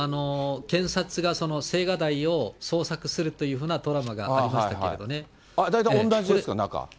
検察が青瓦台を捜索するというふうなドラマがありましたけれども大体、おんなじですか？